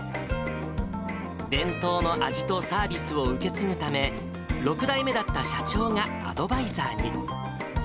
伝統の味とサービスを受け継ぐため、６代目だった社長がアドバイザーに。